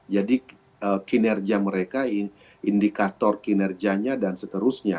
jadi kinerja mereka indikator kinerjanya dan seterusnya